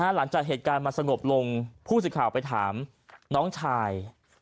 หลังจากเหตุการณ์มันสงบลงผู้สิทธิ์ข่าวไปถามน้องชาย